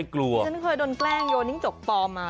โอ้ยยยยนั่งอยู่จริงอ่ะ